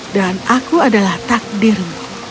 dan aku adalah takdirmu